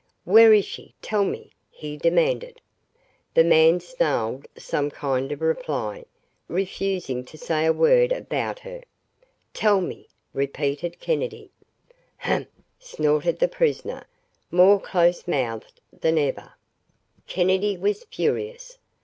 "Where is she tell me?" he demanded. The man snarled some kind of reply, refusing to say a word about her. "Tell me," repeated Kennedy. "Humph!" snorted the prisoner, more close mouthed than ever. Kennedy was furious.